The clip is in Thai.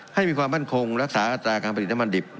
ให้มีความมั่นคงและรักษาการประดิษฐ์น้ำมันดิบ